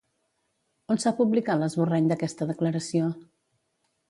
On s'ha publicat l'esborrany d'aquesta declaració?